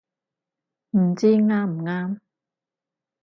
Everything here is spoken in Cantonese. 唔知啱唔啱